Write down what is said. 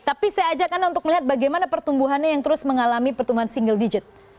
tapi saya ajak anda untuk melihat bagaimana pertumbuhannya yang terus mengalami pertumbuhan single digit